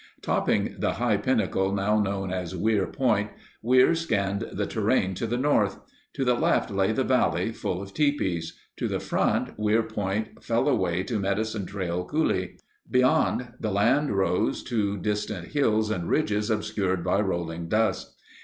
Topping the high pinnacle now known as Weir Point, Weir scanned the terrain to the north. To the left lay the valley, full of tipis. To the front Weir Point fell away to Medicine Tail Coulee. Beyond, the land rose to distant hills and ridges obscured by rolling dust.